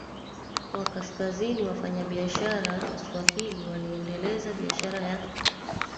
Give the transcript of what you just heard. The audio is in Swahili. wa Kaskazini Wafanyabiashara Waswahili waliendeleza biashara ya